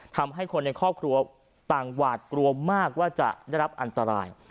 ทำให้คนในครอบครัวต่างหวาดกลัวมากว่าจะได้รับอันตราย